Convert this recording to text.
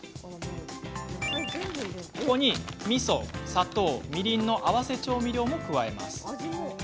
ここに、みそと砂糖、みりんの合わせ調味料も加えます。